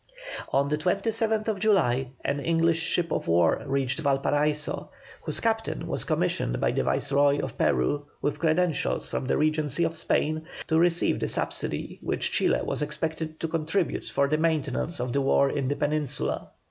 On the 27th July an English ship of war reached Valparaiso, whose captain was commissioned by the Viceroy of Peru, with credentials from the Regency of Spain, to receive the subsidy which Chile was expected to contribute for the maintenance of the war in the Peninsula.